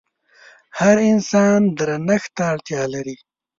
هر انسان درنښت ته اړتيا لري.